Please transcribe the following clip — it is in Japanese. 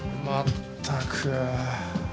まったく。